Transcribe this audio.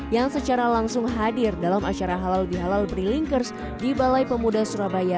yang secara langsung hadir dalam acara halal di halal bri linkers di balai pemuda surabaya